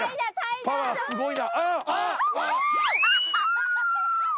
パワーすごいな。